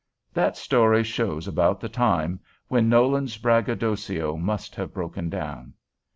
That story shows about the time when Nolan's braggadocio must have broken down.